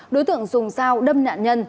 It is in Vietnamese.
đối tượng dùng sao đâm nạn nhân